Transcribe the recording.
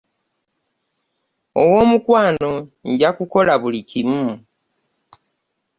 Owomukwano njakukola buli kimu.